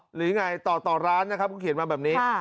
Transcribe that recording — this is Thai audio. หรืออย่างไรต่อร้านนะครับก็เขียนมาแบบนี้